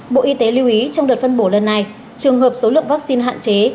bộ y tế lưu ý trong đợt phân bổ lần này trường hợp số lượng vaccine hạn chế